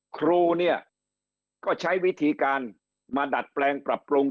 ครูเนี่ยก็ใช้วิธีการมาดัดแปลงปรับปรุง